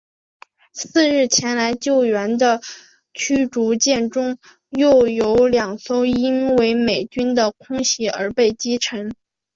次日前来救援的驱逐舰中又有两艘因为美军的空袭而被击沉。